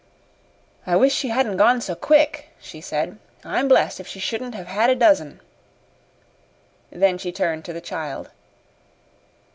"I wish she hadn't gone so quick," she said. "I'm blest if she shouldn't have had a dozen." Then she turned to the child.